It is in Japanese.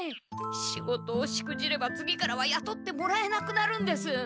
仕事をしくじれば次からはやとってもらえなくなるんです。